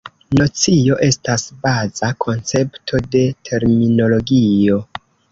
Nocio estas baza koncepto de terminologio.